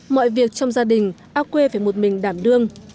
mọi việc trong gia đình ao quê phải một mình đảm đương